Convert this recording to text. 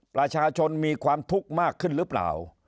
ประชาชนมีความทุกข์มากขึ้นหรือเปล่า